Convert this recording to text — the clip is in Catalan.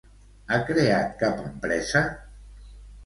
Ha creat cap empresa?